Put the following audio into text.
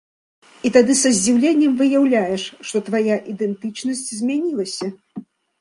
І тады са здзіўленнем выяўляеш, што твая ідэнтычнасць змянілася.